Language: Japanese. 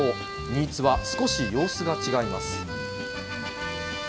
新津は少し様子が違います。